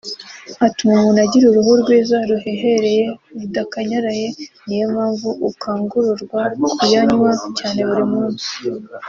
Atuma umuntu agira uruhu rwiza ruhehereye rudakanyaraye n’iyo mpamvu ukangururwa kuyanywa cyane buri munsi